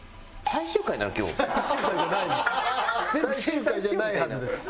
最終回じゃないはずです。